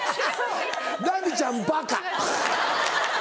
ラミちゃんバカ。